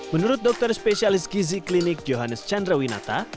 menurut dokter spesialis gizi klinik johannes chandra winata